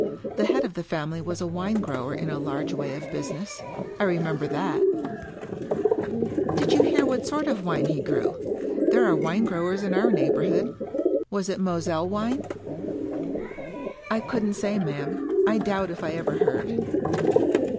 The head of the family was a wine grower in a large way of business — I remember that." 256 WUkie Collins "Did you hear what sort of wine he gfrew? There are wine growers in our neighborhood. Was it Moselle wine ?"" I couldn't say, ma'am, I doubt if I ever heard."